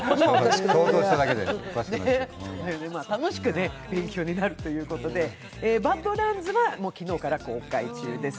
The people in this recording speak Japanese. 楽しく勉強になるということで、「ＢＡＤＬＡＮＤＳバッド・ランズ」は昨日から公開中です。